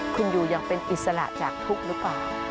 คุณอยู่อย่างเป็นอิสระจากทุกข์หรือเปล่า